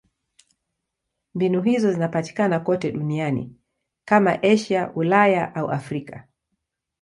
Mbinu hizo zinapatikana kote duniani: kama ni Asia, Ulaya au Afrika.